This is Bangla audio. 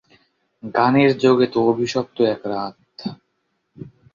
গানের জগতে অভিশপ্ত এক রাত।